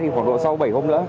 thì khoảng độ sau bảy hôm nữa